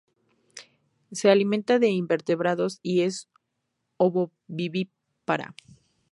Se alimenta de invertebrados y es ovovivípara.